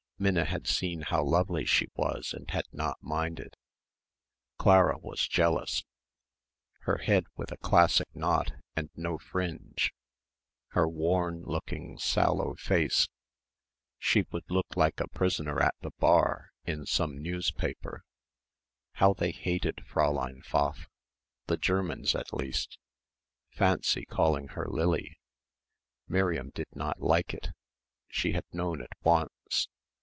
Minna had seen how lovely she was and had not minded. Clara was jealous. Her head with a classic knot and no fringe, her worn looking sallow face.... She would look like a "prisoner at the bar" in some newspaper. How they hated Fräulein Pfaff. The Germans at least. Fancy calling her Lily Miriam did not like it, she had known at once.